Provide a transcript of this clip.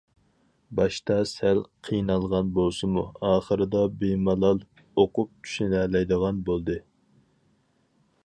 باشتا سەل قىينالغان بولسىمۇ، ئاخىرىدا بىمالال ئوقۇپ چۈشىنەلەيدىغان بولدى.